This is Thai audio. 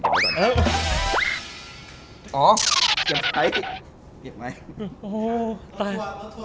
โหเก็บไว้